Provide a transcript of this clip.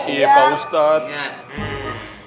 iya pak ustadz